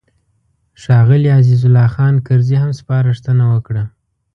ښاغلي عزیز الله خان کرزي هم سپارښتنه وکړه.